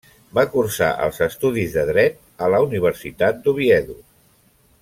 Va cursar els estudis de Dret a la Universitat d'Oviedo.